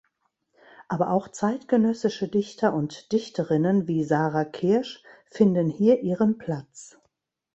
Aber auch zeitgenössische Dichter und Dichterinnen wie Sarah Kirsch finden hier ihren Platz.